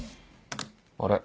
あれ？